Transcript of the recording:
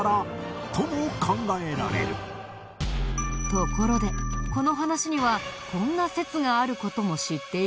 ところでこの話にはこんな説がある事も知っているかな？